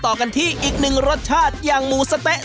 ต้องเป็นพี่นีนี่แหละคนนี้แหละ